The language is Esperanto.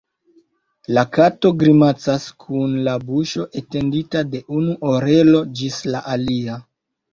La kato grimacas kun la buŝo etendita de unu orelo ĝis la alia.